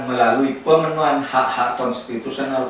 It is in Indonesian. melalui pemenuhan hak hak konstitusional